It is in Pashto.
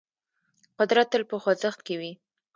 قدرت تل په خوځښت کې وي.